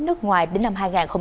nước ngoài đến năm hai nghìn ba mươi